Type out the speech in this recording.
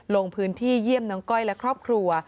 ลงพื้นที่เยี่ยมน้องก้อยและครอบครัว